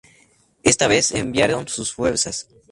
Esta vez se enviaron sus fuerzas.